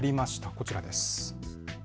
こちらです。